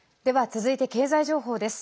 続いて経済情報です。